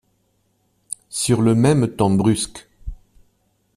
Sur le même ton brusque.